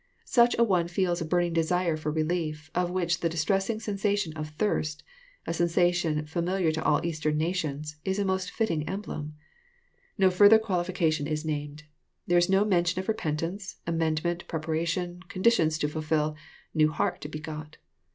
Such an one feels a burning desire for relief, of which the distressing sensation of thirst "— a sensation famil iar to all Eastern nations — is a most fitting emblem. No farther qualification is named. There is no mention of repentance, amendment, preparation, conditions to fulfil, new heart to be got.